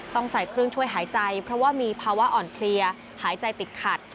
ต้องใส่เครื่องช่วยหายใจเพราะว่ามีภาวะอ่อนเพลียหายใจติดขัด